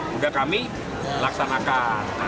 juga kami laksanakan